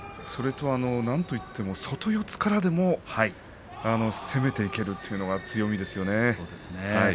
なんといっても外四つからでも攻めていけるというのが強みですよね。